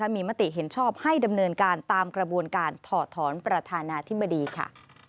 มีมติเห็นชอบให้ดำเนินการตามกระบวนการถอดถอนประธานาธิบดีค่ะ